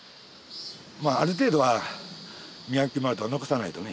まあある程度は磨き丸太を残さないとね。